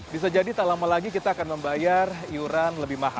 bisa jadi tak lama lagi kita akan membayar iuran